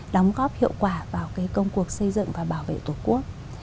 đóng góp hiệu quả vào công cuộc xây dựng và bảo vệ tổ quốc